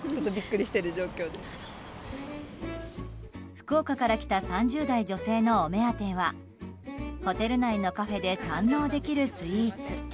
福岡から来た３０代女性のお目当てはホテル内のカフェで堪能できるスイーツ。